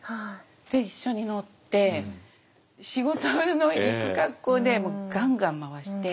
で一緒に乗って仕事に行く格好でガンガン回して。